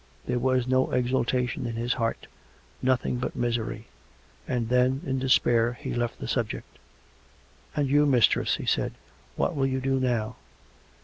There was no exultation in his heart; nothing but misery. And then, in despair, he left the subject. " And you, mistress," he said, " what will you do now